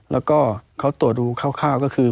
แล้วก็เขาตรวจดูคร่าวก็คือ